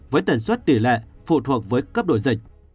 với tần suất tỷ lệ phụ thuộc với cấp đổi dịch